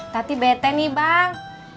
tadi bete nih bang